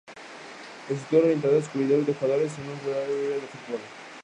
Instructor, orientador, descubridor de jugadores, era una verdadera Biblia del fútbol.